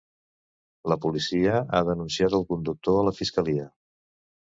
La policia ha denunciat el conductor a la fiscalia.